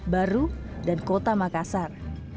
baru dan kota makassar